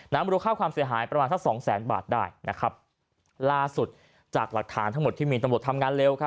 น้ำรูข้าวความเสียหายประมาณสัก๒แสนบาทได้ล่าสุดจากหลักฐานทั้งหมดที่มีตำรวจทำงานเร็ว